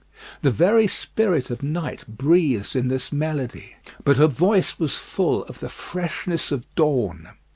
The very spirit of night breathes in this melody; but her voice was full of the freshness of dawn.